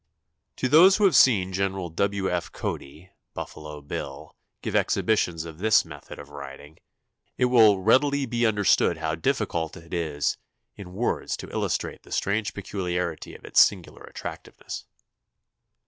To those who have seen Gen. W. F. Cody ("Buffalo Bill") give exhibitions of this method of riding, it will readily be understood how difficult it is in words to illustrate the strange peculiarity of its singular attractiveness.